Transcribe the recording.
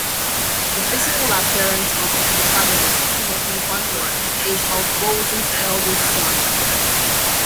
The physical appearance of the protagonist, Timothy Hunter, is that of Bolton's eldest son.